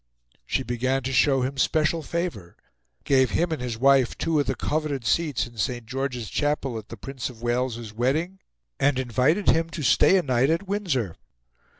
She began to show him special favour; gave him and his wife two of the coveted seats in St. George's Chapel at the Prince of Wales's wedding, and invited him to stay a night at Windsor.